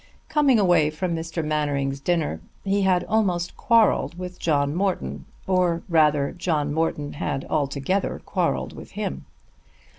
Coming away from Mr. Mainwaring's dinner he had almost quarrelled with John Morton, or rather John Morton had altogether quarrelled with him.